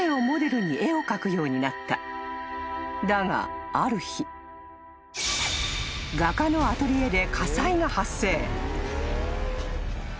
［だがある日画家のアトリエで火災が発生］